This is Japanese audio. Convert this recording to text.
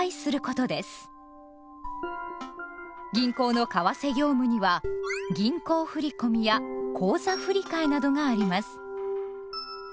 銀行の為替業務には「銀行振込」や「口座振替」などがあります。